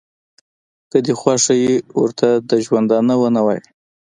که دې خوښه ي ورته د ژوندانه ونه وایه.